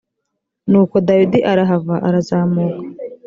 nuko dawidi arahava arazamuka